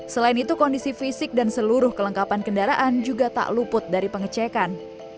selain itu kondisi fisik dan seluruh kelengkapan kendaraan juga tak luput dari pengecekan